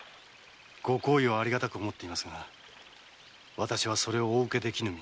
ご好意はありがたく思っていますが私はそれをお受けできぬ身。